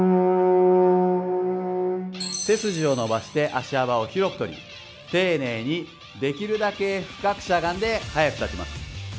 背筋を伸ばして足幅を広くとり丁寧にできるだけ深くしゃがんで速く立ちます。